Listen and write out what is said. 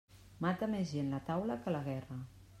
Mata més gent la taula que la guerra.